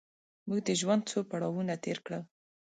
موږ د ژوند څو پړاوونه تېر کړل.